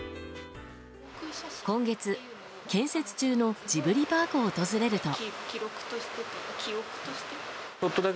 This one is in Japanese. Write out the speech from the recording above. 今月、建設中のジブリパークを訪れると。